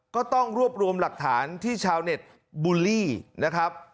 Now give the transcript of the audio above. ก็ต้องรวบรวมหลักฐานที่ชาวเน็ตบูลลี่นะครับ